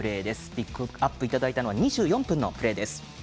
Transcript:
ピックアップいただいたのは２４分のプレーです。